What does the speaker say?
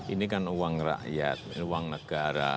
ini kan uang rakyat uang negara